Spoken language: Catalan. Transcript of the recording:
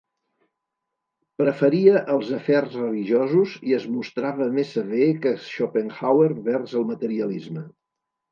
Preferia els afers religiosos i es mostrava més sever que Schopenhauer vers el materialisme.